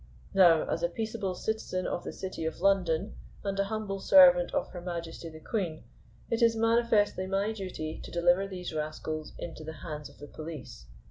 "Now as a peaceable citizen of the City of London, and a humble servant of Her Majesty the Queen, it is manifestly my duty to deliver these rascals into the hands of the police.